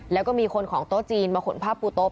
แล้วก็มีคนของโต๊ะจีนมาขนผ้าปูโต๊